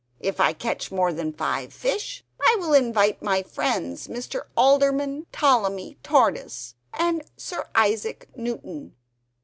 "If I catch more than five fish, I will invite my friends Mr. Alderman Ptolemy Tortoise and Sir Isaac Newton.